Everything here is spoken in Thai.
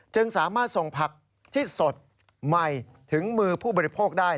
จึงสามารถส่งผักที่สดใหม่ถึงมือผู้บริโภคได้